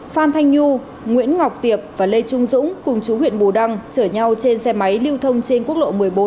phan thanh nhu nguyễn ngọc tiệp và lê trung dũng cùng chú huyện bù đăng chở nhau trên xe máy lưu thông trên quốc lộ một mươi bốn